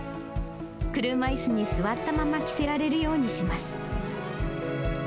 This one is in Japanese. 車いすに座ったまま着せられるようにします。